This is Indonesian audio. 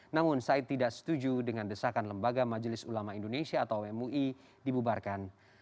namun said tidak setuju dengan desakan lembaga majelis ulama indonesia atau mui dibubarkan